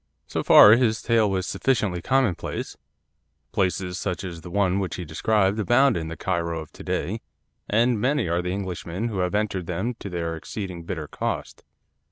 So far his tale was sufficiently commonplace. Places such as the one which he described abound in the Cairo of to day; and many are the Englishmen who have entered them to their exceeding bitter cost.